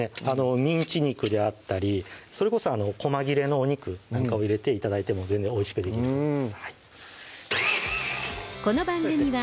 ミンチ肉であったりそれこそ細切れのお肉なんかを入れて頂いても全然おいしくできると思います